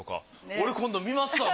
俺今度見ますわ。